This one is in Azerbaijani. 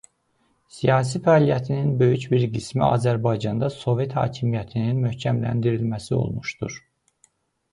Siyasi fəaliyyətinin böyük bir qismi Azərbaycanda Sovet hakimiyyətinin möhkəmləndirilməsi olmuşdur.